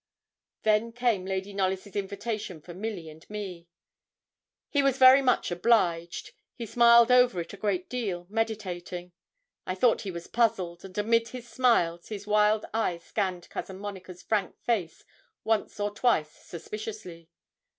Then came Lady Knollys' invitation for Milly and me. He was very much obliged; he smiled over it a great deal, meditating. I thought he was puzzled; and amid his smiles, his wild eyes scanned Cousin Monica's frank face once or twice suspiciously.